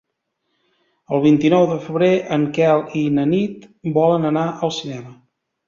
El vint-i-nou de febrer en Quel i na Nit volen anar al cinema.